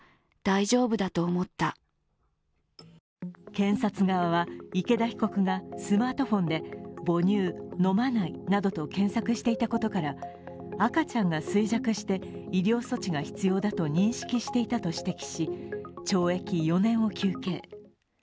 検察側は、池田被告がスマートフォンで「母乳飲まない」などと検索していたことから、赤ちゃんが衰弱して医療措置が必要だと認識していたと指摘し懲役４年を求刑。